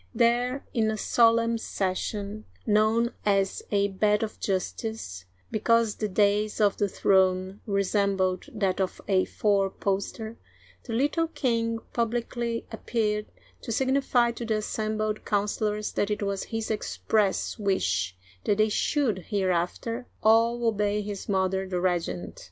There, in a solemn session, — known as a " bed of justice," because the dais of the throne resembled that of a four poster, — the little king publicly appeared, to signify to the assembled councilors that it was his express wish that they should hereafter all obey his mother, the regent.